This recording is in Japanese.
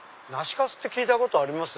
粕って聞いたことあります？